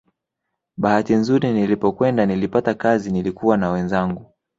Bahati nzuri nilipokwenda nilipata kazi nilikuwa na wenzangu